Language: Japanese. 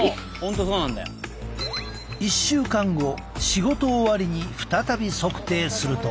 仕事終わりに再び測定すると。